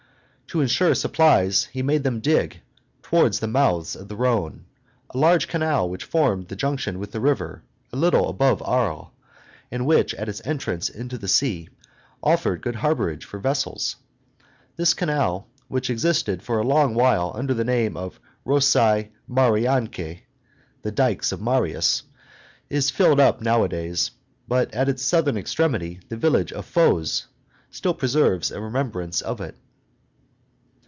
To insure supplies he made them dig, towards the mouths of the Rhone, a large canal which formed a junction with the river a little above Arles, and which, at its entrance into the sea, offered good harborage for vessels. This canal, which existed for a long while under the name of Rossae Mariance (the dikes of Marius), is filled up nowadays; but at its southern extremity the village of Foz still preserves a remembrance of it.